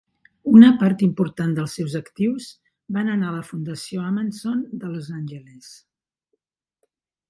Una part important dels seus actius van anar a la Fundació Ahmanson de Los Angeles.